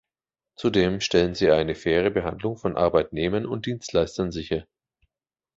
Zudem stellen sie eine faire Behandlung von Arbeitnehmern und Dienstleistern sicher.